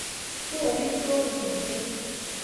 Mi amitwogik kot orit